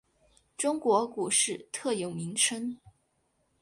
中国股市特有名称。